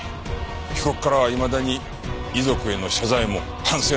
被告からはいまだに遺族への謝罪も反省の言葉もない。